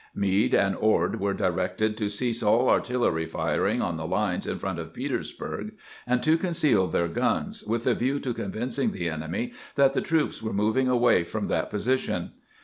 Meade and Ord were directed to cease all artillery firing on the lines in front of Petersbui'g, and to conceal their guns, with a view to convincing the enemy that the troops were moving away from that po sition.